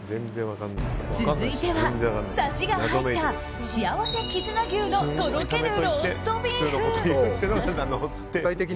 続いては、サシが入ったしあわせ絆牛のとろけるローストビーフ。